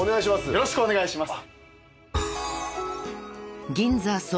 よろしくお願いします。